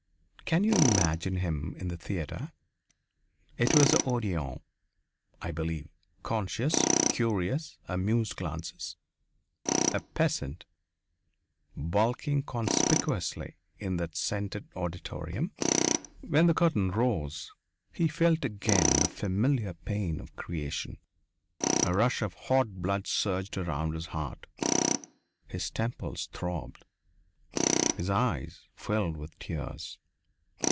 Can you imagine him in the theatre it was the Odéon, I believe conscious of curious, amused glances a peasant, bulking conspicuously in that scented auditorium? When the curtain rose, he felt again the familiar pain of creation. A rush of hot blood surged around his heart. His temples throbbed. His eyes filled with tears.